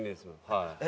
はい。